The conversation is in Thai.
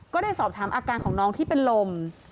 ก็ได้สอบถามอาการของน้องที่เป็นลม